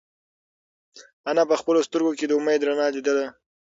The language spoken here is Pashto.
انا په خپلو سترگو کې د امید رڼا لیدله.